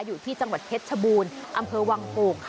อยู่ที่จังหวัดเพชรชบูรอำเภอวังโตก